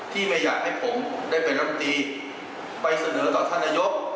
ไม่อยากให้ผมได้เป็นรัฐมนตรีไปเสนอต่อท่านนายก